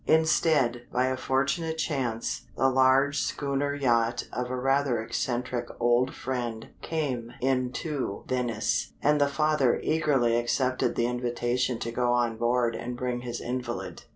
Instead, by a fortunate chance, the large schooner yacht of a rather eccentric old friend came in to Venice, and the father eagerly accepted the invitation to go on board and bring his invalid.